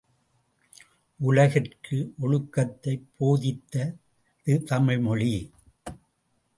உலகிற்கு ஒழுக்கத்தைப் போதித்தது தமிழ் மொழி.